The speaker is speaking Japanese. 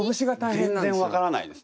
全然分からないです。